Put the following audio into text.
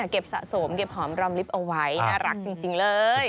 เก็บสะสมเก็บหอมรอมลิฟต์เอาไว้น่ารักจริงเลย